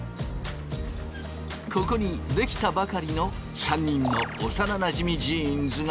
ここに出来たばかりの３人の幼なじみジーンズがいた。